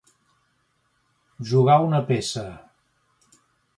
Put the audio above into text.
Jugar una peça.